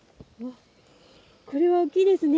これは大きいですね。